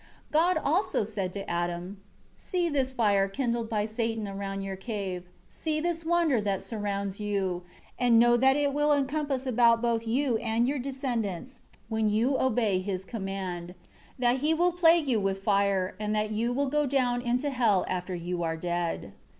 9 God also said to Adam, "See this fire kindled by Satan around your cave; see this wonder that surrounds you; and know that it will encompass about both you and your descendants, when you obey his command; that he will plague you with fire; and that you will go down into hell after you are dead.